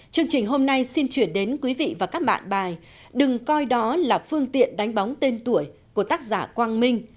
chương trình hôm nay xin chuyển đến quý vị và các bạn bài đừng coi đó là phương tiện đánh bóng tên tuổi của tác giả quang minh